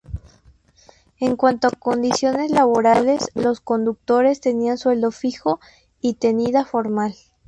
En cuanto a condiciones laborales, los conductores tenían sueldo fijo y tenida formal.